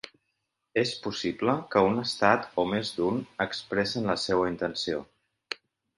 És possible que un estat o més d’un expressen la seua intenció.